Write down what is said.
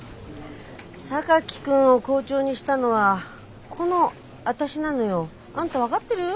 榊君を校長にしたのはこの私なのよ。あんた分かってる？